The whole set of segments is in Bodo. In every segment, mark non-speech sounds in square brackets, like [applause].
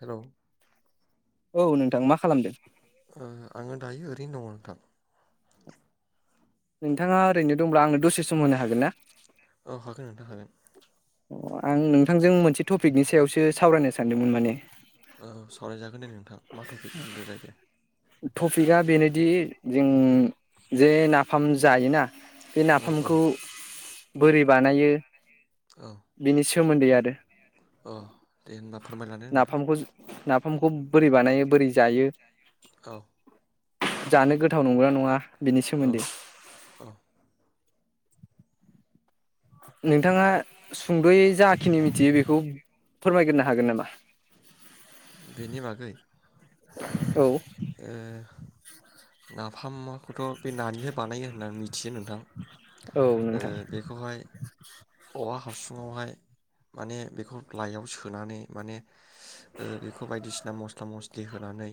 हेल' औ नोंथां मा खालामदों। ओ आङो दायो ओरैनो दङ नोंथां। नोंथाङा ओरैनो दंब्ला आंनो दसे सम होनो हागोन ना? [unintelligible] ओ आं नोंथांजों मोनसे टपिकनि सायावसो सावरायनो सानदोंमोन माने औ सावरायजागोन दे नों थां मा टपिक बुंदोलाय दे। दि जों जे नाफाम जायोना। बे औ औ नाफामखौ बोरै बानायो। बिनि सोमोनदै आरो अ दे होनबा। फोरमायलादो नोंथां नाफामखौ ना फामखौ बोरै बानायो बोरै जायो? औ। जानो गोथाव नंगौना नङा। बेनि औ सोमोन्दै औ नोंथाङा सुंद'यै जाखिनि मिथियो बेखौ फोरमायग्रोनो हागोन नामा बेनि बागै औ ओ नाफामाखौथ' बे नानिफ्रायाय बानायो होननानै मिथियो नोंथां औ ओ नोंथां बेखौहाय औवा हासुङावहाय माने बेखौ लाइआव सोनानै माने बेखौ ओ बायदिसिना मस्ला मस्लि होनानै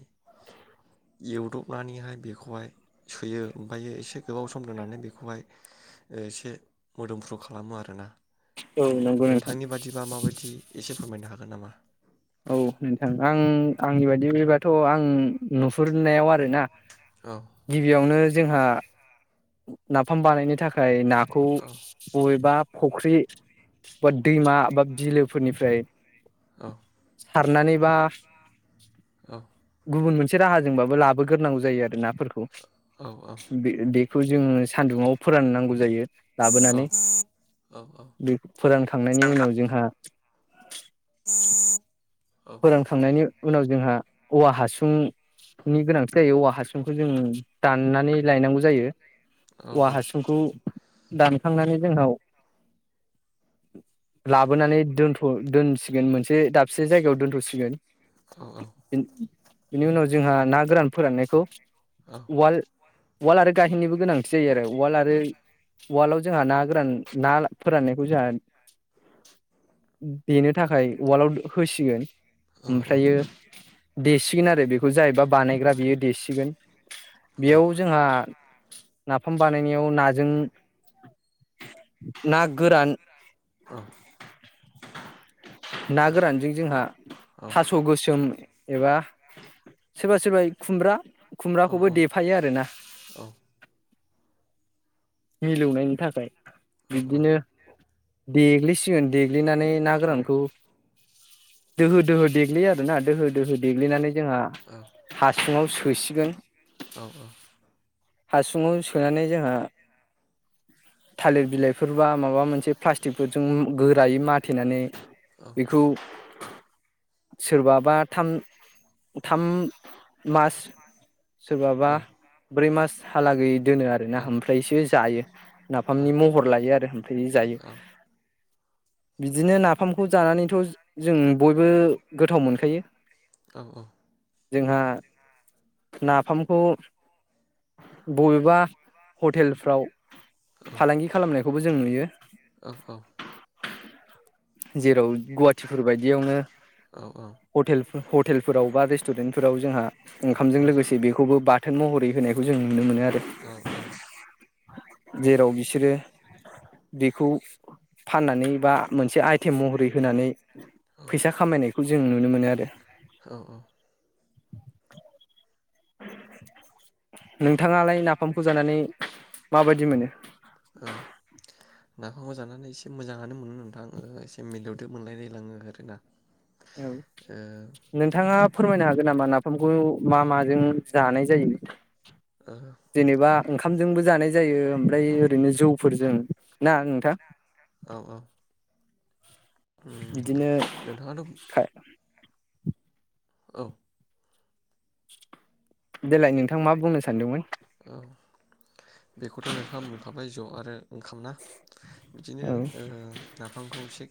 एवदबनानैहाय बेखौहाय सोयो ओमफ्रायायो एसे गोबाव सम दोननानै बेखौहाय ओ एसे मोदोमफ्रु खालामो आरोना औ नंगौ नोंथां नोंथांनि बादिबा माबायदि एसे फोरमायनो हागोन नामा औ नोंथां आं आंनि बायदिबाथ' आं नुहुरनायाव आरोना औ गिबियावनो जोंहा नाफाम बानायनो थाखाय ना खौ औ बबेबा फुख्रि बा दैमा बा बिलोफोरनिफ्राय औ सारनानैबा औ गुबुन मोनसे राहाजोंबाबो लाबोग्रोनांगौ जायो आरो नाफोरखौ औ औ बे बे बेखौ जोङो सान्दुुङाव फोराननांगौ जायो लाबोनानै औ औ बे फोरानखांनायनि उनाव जोंहा [inaudible] फोरोंखांनायनि उनाव जोंहा औवा हासुंनि गोनांथि जायो औवा हासुंखौ जों दाननानै लायनांगौ जायो औ औवा हासुंखौ दानखांनानै जोंनाव लाबोनानै दोनथ' दोनसिगोन मोनसे दाब से जायगायाव दोनथ'सिगोन औ बिनि उनाव जोंहा ना गोरान फोराननायखौ उवाल उवाल आरो गाहेननिबो गोनांथि जायो आरो उवाल आरो उवालाव जोंहा ना गोरान ना फोराननायखौ जोंहा देनो थाखाय उवालाव होसिगोन ओमफ्रायो देसिगोन आरो बेखौ खौ जायबा बानायग्रा बियो देसिगोन बेयाव औ जोंहा नाफाम बानायनायाव नाजों ना गोरान ना गोरानजों जोंहा थास' गोसोम एबा सोरबा सोरबा खुमब्रा खुमब्राखौबो देफायो आरोना मिलौनायनि थाखाय बिदिनो देग्लिसिगोन दे ग्लिनानै ना गोरानखौ दोहो दोहो देग्लियो आरो ना दोहो दोहो देग्लिनानै जोंहा हा हासुङाव सोसिगोन औ औ हासुङाव सोनानै जोंहा थालिर बिलाइफोर बा माबा मोनसे प्लास्टिकफोरजों गोरायै माथेनानै बेखौ सोरबा बा थाम थाम मास सोरबाबा ब्रै मास हालागै दोनो आरोना ओमफ्रायसो जायो नाफामनि महर लायो आरो ओमफ्राय जायो बिदिनो ना फामखौ जानानैथ' जों बयबो गोथाव मोनखायो औ औ जोंहा नाफामखौ बबेबा हटेलफ्राव फालांगि खालामनाय खौबो जों नुयो औ औ जेराव गुवाहाटिफोर बायदियावनो औ औ हटेल हटेलफोराव बा रेस्टुरेन्टफोराव जोंहा ओंखामजों लोगोसे बेखौबो बा थोन महरै होनायखौ जों नुनो मोनो आ औ औ जेराव बिसोरो बेखौ फाननानै बा मोनसे आइ थेम महरै होनानै फैसा खामायनाय खौ जों नुनो मोनो आरो। औ औ नोंथाङालाय नाफामखौ जानानै माबायदि मोनो औ नाफामखौ जानानै एसे मोजाङानो मोनो नोंथां एसे मिलौदो मोनलायलायलाङो आरोना औ ओ नोंथाङा फोरमायनो हागोन नामा नाफामखौ मा माजों जानाय जायो? ओ जेनेबा ओंखामजोंबो जानाय जायो ओमफ्राय ओरैनो जौ फोरजों ना नोंथां औ औ उ बिदिनो नोंथाङाथ' औ देलाय नोंथां मा बुंनो सानदोंमोन? औ बेखौथ' नोंथाङा मोनखाबाय ज' आरो ओंखाम ना बिदिनो औ ओ नाफामखौ एसे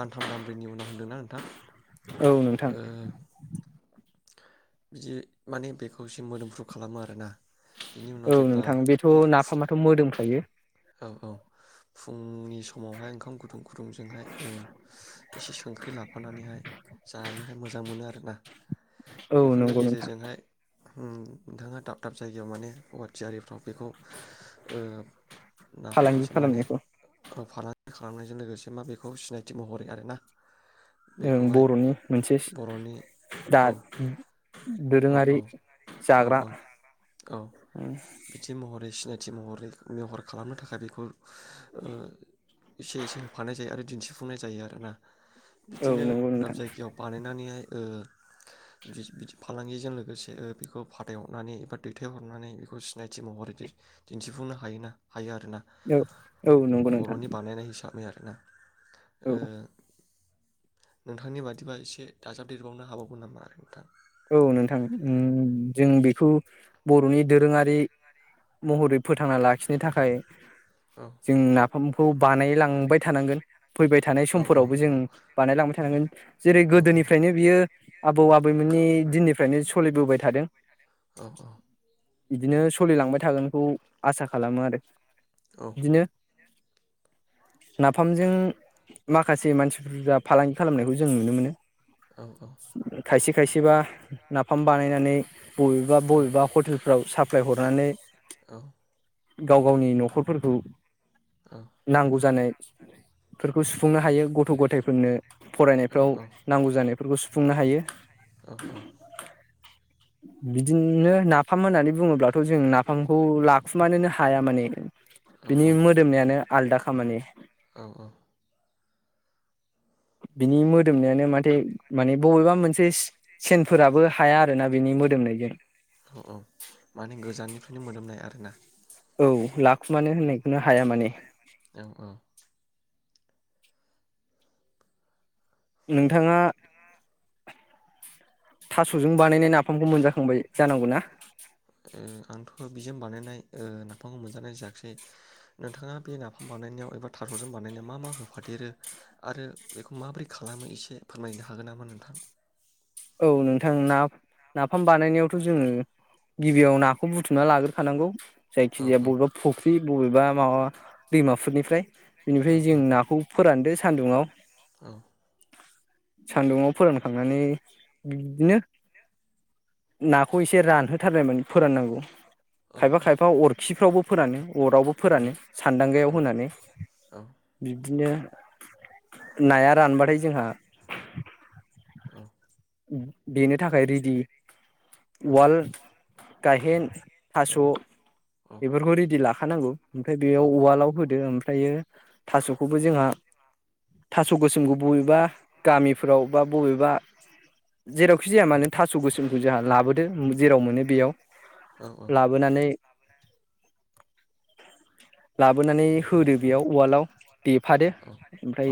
दानथाम दामब्रैनि उनाव होनदोंना नोंथां? औ नोंथां ओ बिदि माने बेखौ एसे मोदोमफ्रु खालामो आरोना। बिनि उनाव औ जेब्ला नोंथां बेथ' फुं नाफामाथ' मोदोमखायो औ औ फुंनि समावहाय ओंखाम गुदुं गुदुंजोंहाय ओ‌ एसे संख्रि लाफानानैहाय जानोहाय मोजां मोनो आरो ना। औ नंगौ नोंथां उ नोंथाङा दाब दाब जायगायाव माने गुवाटियारिफ्राव बेखौ ओ फालांगि नाफामनिसो माने खालामनायखौ ओ फालांगि खालामनायजों लोगोसे मा बेखौ सिनायथि महरै आरो ना। ओं बर'नि मोनसे बर'नि दा औ औ दोरोङारि औ औ जाग्रा औ ओ थि महरै मेहर खालामनो थाखाय बेखौ ओ एसे एसे होफानाय जायो आरो दिनथिफुंनाय जायो आरोना औ बिदिनो नंगौ दाब दाब नोंथां जायगायाव बानायनानैहाय ओ बिदि फालांगिजों लोगोसे बेखौ फाथायहरनानै एबा दैथायहरनानै बेखौ सिनायथि महरै दिनथिफुंनो हायोना हायो आरोना औ औ नंगौ नोंथां बर'नि बानायनाय हिसाबै आरो औ [unintelligible] ओ नोंथांनि बादिबा एसे दाजाबदेरबावनो हाबावगोन नामा [unintelligible] औ नोंथां उ जों बेखौ बर'नि दोरोङारि महरै फोथांना लाखिनो थाखाय औ जोंना नाफामखौ बानायलांबाय थानांगोन फैबाय थानाय औ औ समफोरावबो जों बानायलांबाय थानांगोन जेरै औ गोदोनिफ्रायनो बियो आबौ आबै नि दिनि फ्रायनो सोलिबोबाय थादों औ बिदिनो सोलिलांबाय थागोनखौ आसा खालामो आरो औ बिदिनो नाफामजों माखासे मानसि बोरजा फालांगि खालामनायखौ जों नुनो मोनो औ औ थाइसे खायसेबा नाफाम बानायनानै बबेबा औ बबेबा हटेलफ्राव सा प्लायहरनानै औ गाव गावनि न'खरफोरखौ नांगौ जानाय फोरखौ सुफुंनो हायो गथ' गथाइफोरनो औ फरायनायफ्राव नांगौ जानायफोरखौ सुफुंनो हायो औ औ बिदिनो नाफाम होननानै बुङोब्लाथ' जों नाफामखौ लाखुमानोनो हाया माने बिनि औ मोदोमनायानो आलदाखा माने औ बिनि मोदोमनायानो माथे माने बबेबा मोनसे सेनफोराबो हाया आरोना बिनि मोदोमनायजों औ औ माने गोजाननिफ्रायनो मोनोदोमनाय आरोना। औ लाखुमानो होननायखौनो हाया माने। औ औ। नोंथाङा थास'जों बानायनाय नाफामखौ मोनजाखांबाय जानांगौ ना? ओ आंथ' बिजों बानायनाय ओ नाफामखौ मोनजानाय जायाखसै नोंथाङा बे नाफाम बानायनायाव एबा थास'जों बानायनायाव मा मा होफादेरो आरो बेखौ माबोरै खालामो एसे फोरमायनो हागोन नामा नोंथां? औ नोंथां ना नाफाम बानायनायावथ' जोङो गिबियाव नाखौ बुथुमना लाग्रोखानांगौ। औ जायखिजाया औ बबेबा फुख्रि बबेबा माबा दैमाफोरनिफ्राय औ बिनिफ्राय जों नाखौ फोरानदो सानदुङाव औ सान्दुङाव फोरानखांनानै बिदिनो नाखौ एसे रानहोथारनायमोन फोराननांगौ। औ खायफा औ खायफा अरखिफ्रावबो फोरानो अरावबो फोरानो सान्दांगायाव होनानै बिदिनो नाया रानबाथाय जोंहा औ। बेनो थाखाय रेडि वाल गाहेन थास' बेफोरखौ रेडि लाखा खानांगौ। ओमफ्राय बेयाव उवालाव होदो ओम ओमफ्रायो थास'खौबो जोंहा थास' गोसोमखौ बबेबा गामिफोराव बा बबेबा जेरावखि जाया मानो थास' गोसोमखौ जोंहा लाबोदो जेराव मोनो बेयाव औ लाबोनानै लाबोनानै होदो बेयाव उवालाव देफादो ओमफ्राय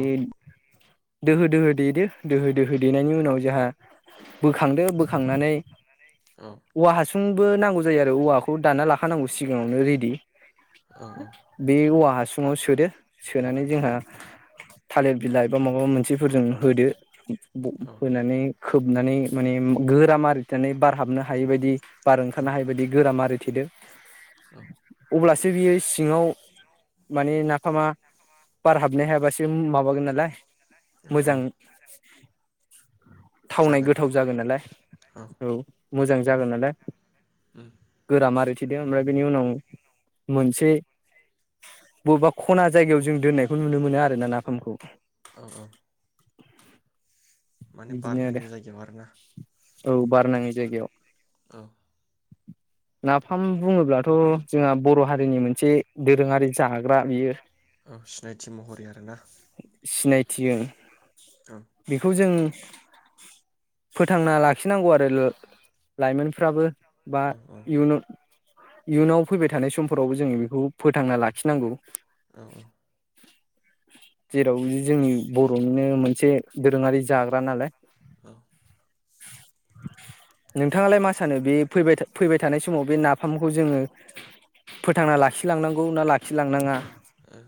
दोहो दोहो देदो दोहो दोहो देनायनि उनाव जोंहा बोखांदो बोखांनानै औवा हासुं सुंबो नांगौ जायो आरो औवाखौ दाना लाखानांगौ सिगाङावनो रेडि बे औवा हासुङाव सोदो सोनानै जोंहा थालिर बिलाइ एबा माबा मोनसेफोरजों होदो होनानै खोबनानै माने गोरा मारिथेनानै बारहाबनो हायै बायदि बार ओंखारनो हायै बायदि गोरा मारि थेदो अब्ला बियो सिङाव माने ना फामा बार हाबनो हायाबासो माबागोन नालाय औ औ मोजां थावनाय गोथाव जागोन नालाय औ मोजां जागोन नालाय उम गोरा मारि थिदो ओमफ्राय बेनि उनाव मोनसे बबेबा खना जायगायाव जों दोननायखौ नुनो मोनो आरो ना नाफामखौ औ औ माने बार बिदिनो आरो नांयि जायगायाव आरो ना औ बार नाङै जायगायाव औ नाफाम बुङोब्लाथ जोंहा बर' हारिनि मोनसे दोरोङारि जाग्रा बियो औ सिनायथि महरै आरो ना सिनायथियो बेखौ जों फोथांना लाखिनांगौ आरो लाइमोनफ्राबो बा औ औ इयुन इयुनाव फैबाय थानाय समफोरावबो जोङो बेखौ फोथांना लाखिनांगौ औ जेराव जोंनि बर'निनो मोनसे दोरोङारि जा ग्रा नालाय औ नोंथाङालाय मा आ सानो बे फैबाय था फैबाय थानाय समाव बे नाफामखौ जोङो फोथांना लाखिलांनांगौ ना लाखिलांनाङा ओ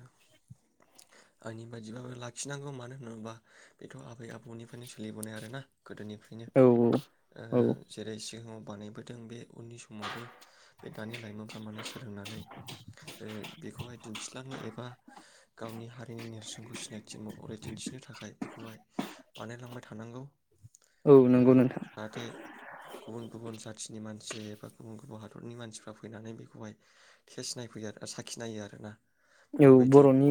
आंनि बायदिबाबो लाखिनांगौ मानो होनोबोब्ला बेथ' आबै आबौनिफ्रायनो सोलिबोनाय आरो ना गोदोनिफ्रायनो औ ओ औ जेरै सिगाङाव बानायबोदों बे उननि समावबो बे दानि लाइमोनफ्रा माने सोलोंनानै ओ बेखौहाय दिन्थिलांनो एबा गावनि हारिनि नेरसोनखौ सिनाय थि महरै दिन्थिनो थाखाय बेखौहाय बानायलांबाय थानांगौ औ नंगौ नोंथां जाहाथे गुबुन गुबुन जाथिनि मानसि एबा गुबुन गुबुन हादरनि मानसिफ्रा फैनानै बेखौहाय टेस्स नायफैयो आरो साखिनायो आरो ना। औ बर'नि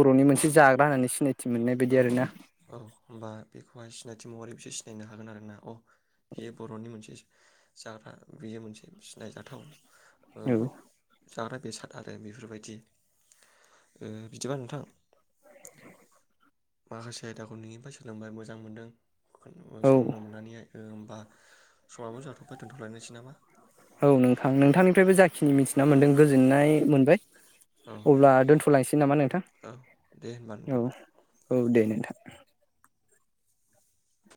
बर'नि मोनसे जाग्रा होननानै सिनायथि मोननाय बायदि औ आरो औ ना। औ होमबा बेखौहाय सिनायथि महरै बिसोर सिनायनो हागोन आरो ना अ बियो बर'नि मोनसे जाग्रा बेयो मोनसे सिनायजाथाव ओं औ जाग्रा बेसाद आरो बेफोरबायदि बिदिबा नोंथां माखासे आयदाखौ नोंनिफ्राय सोलोंबाय मोजां मोनदों। औ सोलोंनो मोननानैहाय होमबा समाबो जाथबाय दोनथलायनोसै नामा? औ नोंखां नोंथांनिफ्रायबो जाखिनि मिथिना मोन्दों गोजोननाय मोनबाय। औ अब्ला दोनथलांसै नामा नोंथां औ दे होमबा नोंथां औ औ दे नोंथां [inaudible]